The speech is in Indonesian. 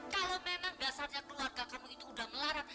kalau memang dasarnya keluarga kamu itu udah melarang